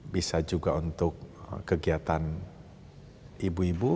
bisa juga untuk kegiatan ibu ibu